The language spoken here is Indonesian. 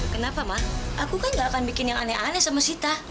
kenapa mas aku kan gak akan bikin yang aneh aneh sama sita